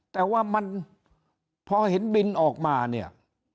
แต่ว่ามันพอเห็นบินออกมาเนี่ย